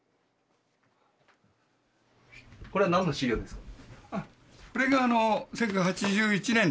これは何の資料ですか？